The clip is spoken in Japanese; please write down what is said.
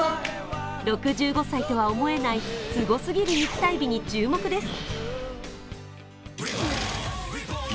６５歳とは思えない、すごすぎる肉体美に注目です。